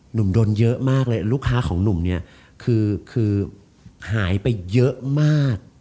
หนุ่มโดนเยอะมากเลยลูกค้าของหนุ่มเนี่ยคือหายไปเยอะมาก